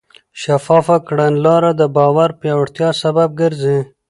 شفافه کړنلاره د باور پیاوړتیا سبب ګرځي.